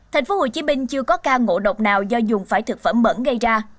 tp hcm chưa có ca ngộ độc nào do dùng phải thực phẩm bẩn gây ra